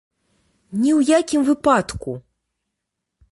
Ні ў якім выпадку!